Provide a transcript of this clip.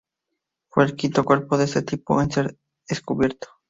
Fue el quinto cuerpo de este tipo en ser descubierto.